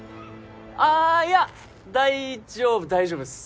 あいや大丈夫大丈夫っす！